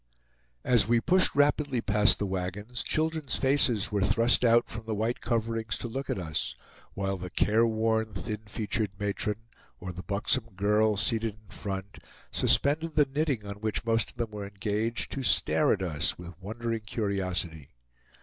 As we pushed rapidly past the wagons, children's faces were thrust out from the white coverings to look at us; while the care worn, thin featured matron, or the buxom girl, seated in front, suspended the knitting on which most of them were engaged to stare at us with wondering curiosity.